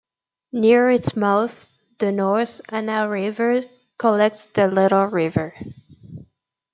Near its mouth the North Anna River collects the Little River.